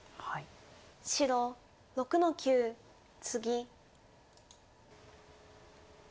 白６の九ツギ。